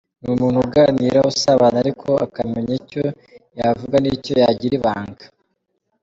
Ni umuntu uganira, usabana ariko akamenya icyo yavuga nicyo yagira ibanga.